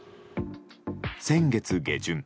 先月下旬